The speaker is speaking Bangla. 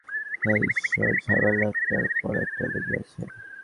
হে ঈশ্বর, ঝামেলা একটার পর একটা লেগেই আছে!